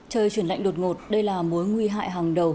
trời chuyển lạnh đột ngột đây là mối nguy hại hàng đầu